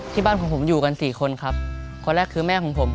ที่บ้านของผมอยู่กันสี่คน